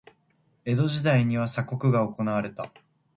江戸時代には鎖国が行われた。